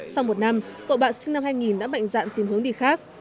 sau một năm cậu bạn sinh năm hai nghìn đã mạnh dạn tìm hướng đi khác